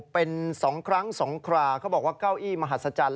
เป็น๒ครั้ง๒คราเขาบอกว่าเก้าอี้มหัศจรรย์